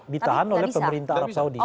ditahan oleh pemerintah arab saudi